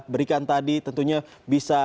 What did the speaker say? berikan tadi tentunya bisa